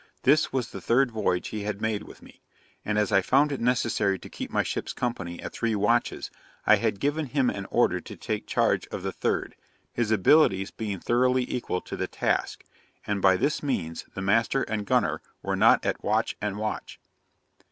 This was the third voyage he had made with me; and as I found it necessary to keep my ship's company at three watches, I had given him an order to take charge of the third, his abilities being thoroughly equal to the task; and by this means the master and gunner were not at watch and watch.